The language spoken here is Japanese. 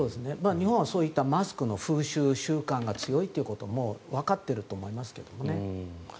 日本はそういったマスクの風習、習慣が強いっていうのがわかっていると思いますけどね。